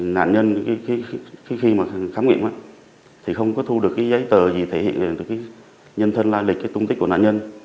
nạn nhân khi mà khám nghiệm thì không có thu được cái giấy tờ gì thể hiện được cái nhân thân lai lịch cái tung tích của nạn nhân